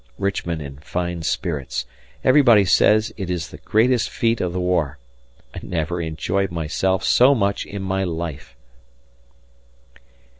Richmond in fine spirits, everybody says it is the greatest feat of the war. I never enjoyed myself so much in my life.